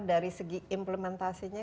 dari segi implementasinya